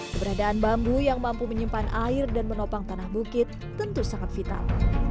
keberadaan bambu yang mampu menyimpan air dan menopang tanah bukit tentu sangat vital